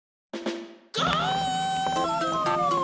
ゴー！